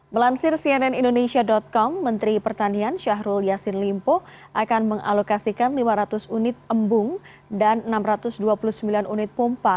melansir cnn indonesia com menteri pertanian syahrul yassin limpo akan mengalokasikan lima ratus unit embung dan enam ratus dua puluh sembilan unit pompa